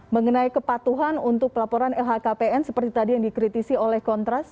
mengenai kepatuhan untuk pelaporan lhkpn seperti tadi yang dikritisi oleh kontras